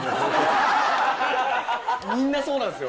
みんなそうなんですよ。